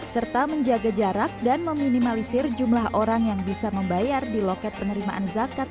serta menjaga jarak dan meminimalisir jumlah orang yang bisa membayar di loket penerimaan zakat